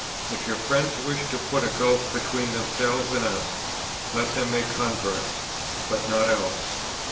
If your friends wish to put a gulf between themselves and us, let them make converts, but not else.